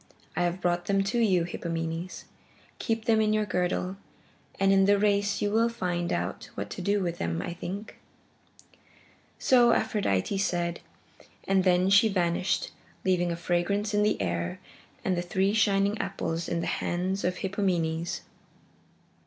I have brought them to you, Hippomenes. Keep them in your girdle, and in the race you will find out what to do with them, I think." So Aphrodite said, and then she vanished, leaving a fragrance in the air and the three shining apples in the hands of Hippomenes.